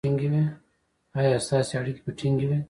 ایا ستاسو اړیکې به ټینګې وي؟